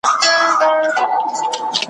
کله کله به یې ویني کړه مشوکه `